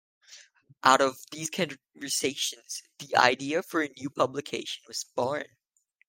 Out of these conversations, the idea for a new publication was born.